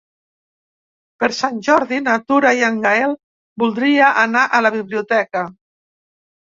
Per Sant Jordi na Tura i en Gaël voldria anar a la biblioteca.